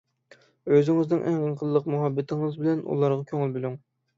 ئۆزىڭىزنىڭ ئەڭ ئىللىق مۇھەببىتىڭىز بىلەن ئۇلارغا كۆڭۈل بۆلۈڭ.